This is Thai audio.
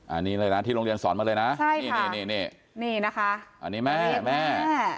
อันนี้เลยนะที่โรงเรียนสอนมาเลยนะใช่นี่นี่นะคะอันนี้แม่แม่